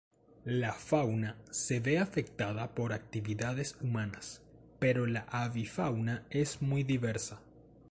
La fauna se ve afectada por actividades humanas, pero la avifauna es muy diversa.